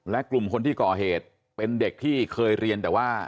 และกลุ่มคนที่ก่อเหตุเป็นเด็กที่เคยเรียนแต่ว่า